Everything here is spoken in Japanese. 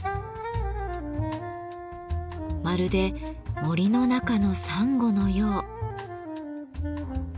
まるで森の中のサンゴのよう。